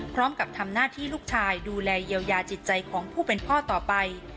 พร้อมกับทำหน้าที่ลูกชายดูแลเยียวยาจิตใจของผู้เป็นพ่อต่อไป